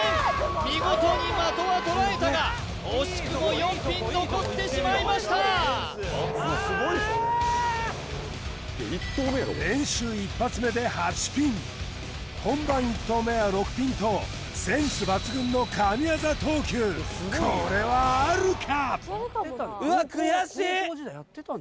見事に的は捉えたが惜しくも４ピン残ってしまいました練習１発目で８ピン本番１投目は６ピンとこれはあるか？